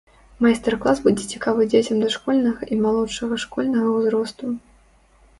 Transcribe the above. Майстар-клас будзе цікавы дзецям дашкольнага і малодшага школьнага ўзросту.